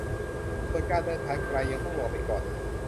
ส่วนการเดินทางไกลยังต้องรอไปก่อน